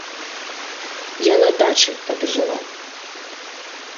Я на дачы тады жыла.